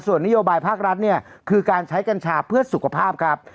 ส่วนนโยบายภาครัฐเนี่ยคือการใช้กัญชาเพื่อสุขภาพครับ